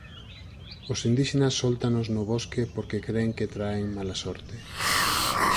Os indíxenas sóltanos no bosque porque cren que traen mala sorte.